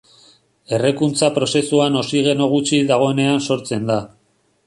Errekuntza-prozesuan oxigeno gutxi dagoenean sortzen da.